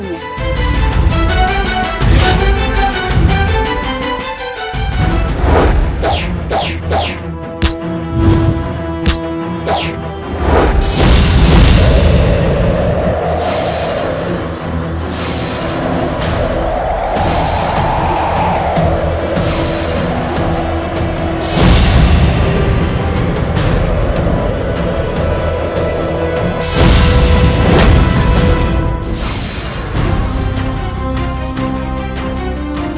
nanti setelah arkadano menjadi raja